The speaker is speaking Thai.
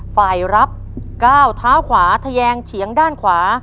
ฝ่ายรับก้าวเท้าขวาทะแยงเฉียงด้านขวา